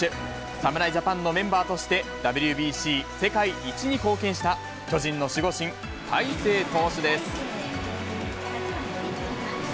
侍ジャパンのメンバーとして、ＷＢＣ世界一に貢献した巨人の守護神、大勢投手です。